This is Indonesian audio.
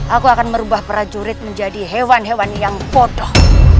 aku akan merubah prajurit menjadi hewan hewan yang potoh